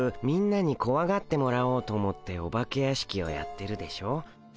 みんなにこわがってもらおうと思ってお化け屋敷をやってるでしょう？